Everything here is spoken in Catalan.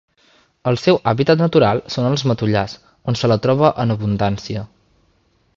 El seu hàbitat natural són els matollars, on se la troba en abundància.